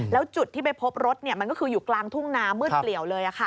แล้วจุดที่ไปพบรถมันก็คืออยู่กลางทุ่งนามืดเปลี่ยวเลย